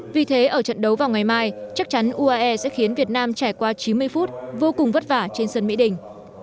vì thế ở trận đấu vào ngày mai chắc chắn uae sẽ khiến việt nam trải qua chín mươi phút vô cùng vất vả trên sân mỹ đình